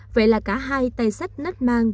vậy là cả hai tay sách nách mang